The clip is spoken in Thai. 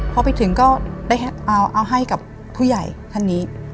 พอไปถึงก็ได้เอาให้กับผู้ใหญ่ท่านนี้